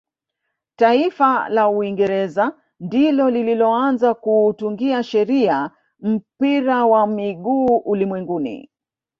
taifa la uingereza ndilo lililoanza kuutungia sheria mpira wa miguu ulimwenguni